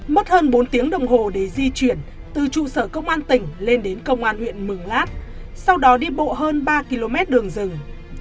mất hơn bốn tiếng đồng hồ để di chuyển từ trụ sở công an tỉnh lên đến công an huyện mường lát sau đó đi bộ hơn ba km đường rừng